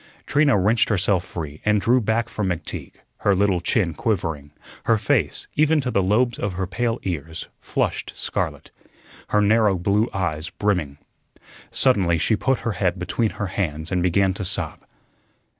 Trina wrenched herself free and drew back from McTeague, her little chin quivering; her face, even to the lobes of her pale ears, flushed scarlet; her narrow blue eyes brimming. Suddenly she put her head between her hands and began to sob.